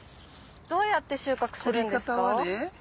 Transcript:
どうやって収穫するんですか？